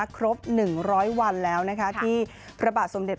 ครบ๑๐๐วันแล้วที่ระบาดสมเด็จ